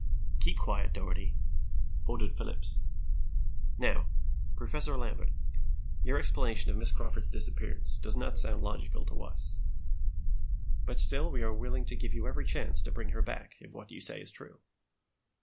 "Keep quiet, Doherty," ordered Phillips. "Now, Professor Lambert, your explanation of Miss Crawford's disappearance does not sound logical to us, but still we are willing to give you every chance to bring her back, if what you say is true.